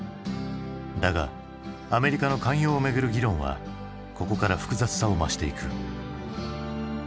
だがアメリカの寛容をめぐる議論はここから複雑さを増していく。